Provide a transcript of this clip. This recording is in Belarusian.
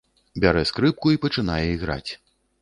Бярэ скрыпку і пачынае іграць.